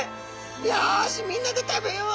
「よしみんなで食べよう。